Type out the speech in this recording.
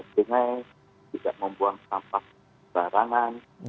dengan tidak membuang dampak barangan